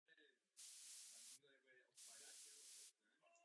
Není trvale obydlen.